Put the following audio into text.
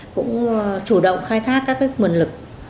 chủ động khai tháp các nguồn lực